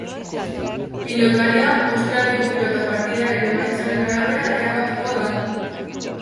Pilotaria, ostiraleko pilota partidaren emaitzaren arabera erabakiko da.